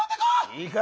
いいか。